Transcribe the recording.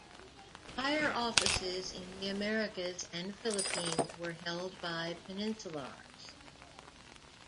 Higher offices in the Americas and Philippines were held by "peninsulares".